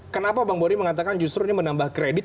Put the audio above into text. kenapa pak budi mengatakan justru ini menambah kredit